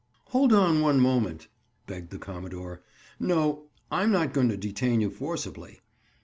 "Hold on one moment," begged the commodore. "No; I'm not going to detain you forcibly.